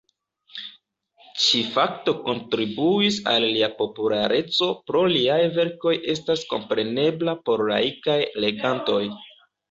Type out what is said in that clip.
Ĉi-fakto kontribuis al lia populareco pro liaj verkoj estas komprenebla por laikaj legantoj.